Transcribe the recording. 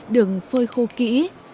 đừng phôi khô kỹ